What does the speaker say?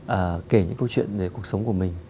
à kể những câu chuyện về cuộc sống của mình